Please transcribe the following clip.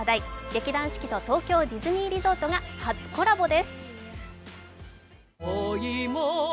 劇団四季と東京ディズニーリゾートが初コラボです。